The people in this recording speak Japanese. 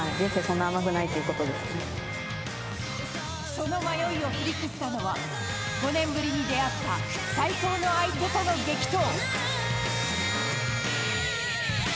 その迷いを振り切ったのは５年ぶりに出会った最高の相手との激闘。